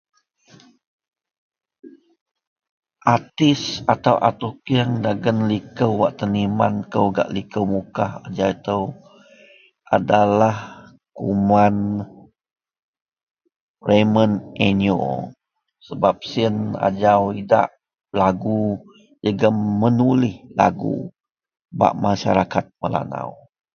Artis atau a tukeng dagen liko wak teniman kou gak liko Mukah ajau ito adalah kuman Raymond Enyo sebab siyen ajau idak lagu jegum menulih lagu bak masyarakat Melanau.